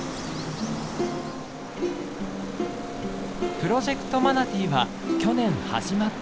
プロジェクトマナティは去年始まったばかり。